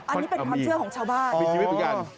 อันนี้เป็นความเชื่อของชาวบ้าน